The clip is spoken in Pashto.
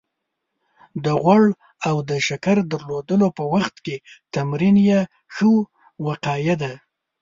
د غوړ او د شکر درلودلو په وخت کې تمرین يې ښه وقايه ده